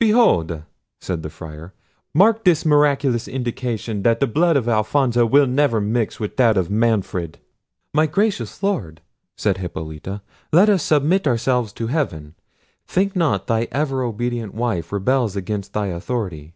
"Behold!" said the Friar; "mark this miraculous indication that the blood of Alfonso will never mix with that of Manfred!" "My gracious Lord," said Hippolita, "let us submit ourselves to heaven. Think not thy ever obedient wife rebels against thy authority.